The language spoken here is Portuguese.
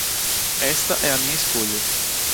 Esta é a minha escolha